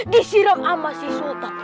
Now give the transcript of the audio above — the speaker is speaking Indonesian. disiram sama si sultan